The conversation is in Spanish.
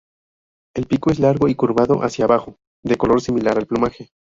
El pico es largo y curvado hacia abajo, de color similar al plumaje.